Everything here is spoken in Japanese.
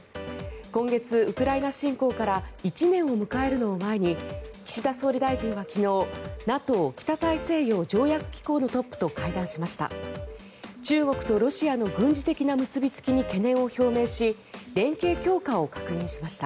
今月、ウクライナ侵攻から１年を迎えるのを前に岸田総理大臣は昨日ＮＡＴＯ・北大西洋条約機構のトップと会談しました。